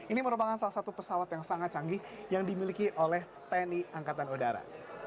ini merupakan salah satu pesawat yang sangat canggih yang dimiliki oleh tni angkatan udara